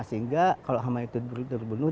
sehingga kalau hama itu terbunuh